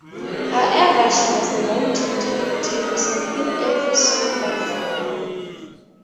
However, she was known to turn the tables on him every so often.